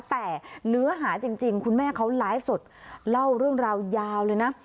แต่เนื้อหาจริงคุณแม่เขาไลฟ์สดเล่าเรื่องราวยาวเลยนะ